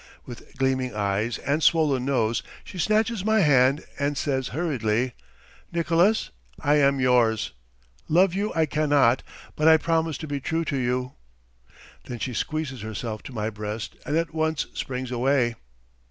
With gleaming eyes and swollen nose she snatches my hand, and says hurriedly, "Nicolas, I am yours! Love you I cannot, but I promise to be true to you!" Then she squeezes herself to my breast, and at once springs away.